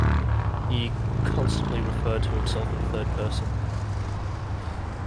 He constantly referred to himself in the third person.